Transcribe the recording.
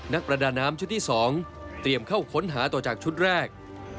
ประดาน้ำชุดที่๒เตรียมเข้าค้นหาต่อจากชุดแรก